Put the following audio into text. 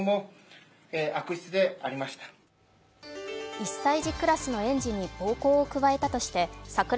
１歳児クラスの園児に暴行を加えたとしてさくら